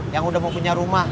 yang udah mau punya rumah